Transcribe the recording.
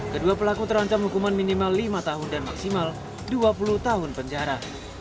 kedua pelaku terancam hukuman minimal lima tahun dan maksimal dua puluh tahun penjara